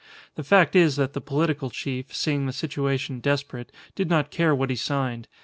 The fact is that the political chief, seeing the situation desperate, did not care what he signed.